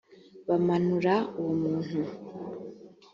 bamanura uwo muntu